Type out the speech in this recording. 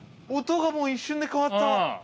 ◆音が、もう一瞬で変わった。